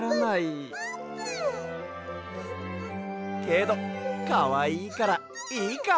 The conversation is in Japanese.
けどかわいいからいいか！